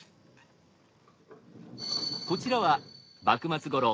こちらは幕末ごろ